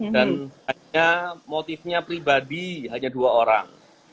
dan hanya motifnya pribadi hanya dua orang